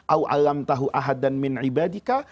au'alamtahu ahadan min ibadika